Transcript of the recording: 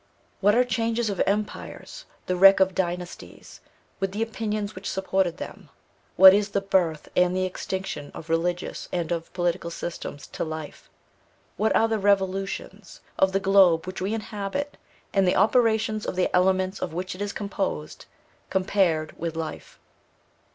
What are changes of empires, the wreck of dynasties, with the opinions which supported them; what is the birth and the extinction of religious and of political systems to life? What are the revolutions of the globe which we inhabit, and the operations of the elements of which it is composed, compared with life?